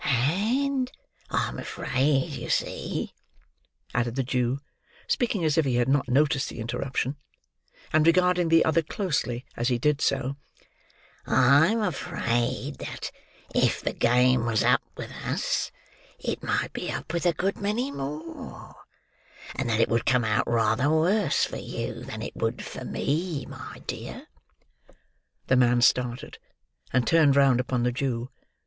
"And I'm afraid, you see," added the Jew, speaking as if he had not noticed the interruption; and regarding the other closely as he did so,—"I'm afraid that, if the game was up with us, it might be up with a good many more, and that it would come out rather worse for you than it would for me, my dear." The man started, and turned round upon the Jew.